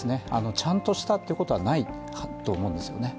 ちゃんとしたということはないかと思うんですよね。